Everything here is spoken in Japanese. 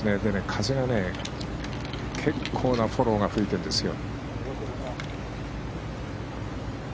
風が結構なフォローが吹いてるんですよ。